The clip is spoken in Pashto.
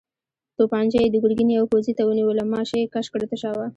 توپانجه يې د ګرګين يوه پوځي ته ونيوله، ماشه يې کش کړه، تشه وه.